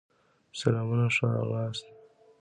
سلامونه ښه راغلاست